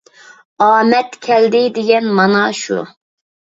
ئامەت كەلدى دېگەن مانا شۇ!